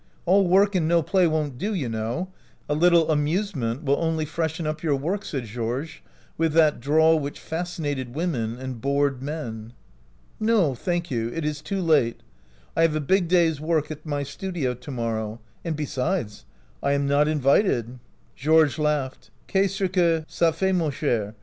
All work and no play won't do, you know. A little amusement will only freshen up your work," said Georges, with that drawl which fasci nated women and bored men. " No, thank you, it is too late ; I have a big day's work at my studio to morrow ; and besides, I am not invited." Georges laughed. " Qtfesl ce que (a fait, mon cher